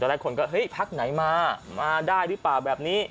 หลายคนก็เฮ้ยพักไหนมามาได้หรือเปล่าแบบนี้